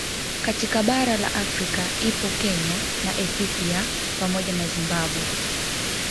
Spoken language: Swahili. Katika bara la Afrika ipo Kenya na Ethipia pamoja na Zimbabwe